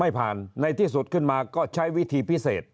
ผ่านในที่สุดขึ้นมาก็ใช้วิธีพิเศษ